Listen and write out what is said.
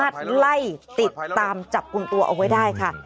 ไล่ติดตามจับกลุ่มตัวเอาไว้ได้ค่ะ